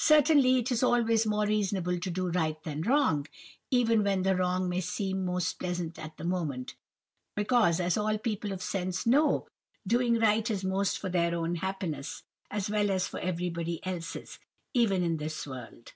"Certainly it is always more reasonable to do right than wrong, even when the wrong may seem most pleasant at the moment; because, as all people of sense know, doing right is most for their own happiness, as well as for everybody else's, even in this world.